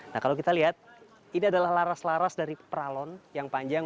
nah kalau kita lihat ini adalah laras laras dari peralon yang panjang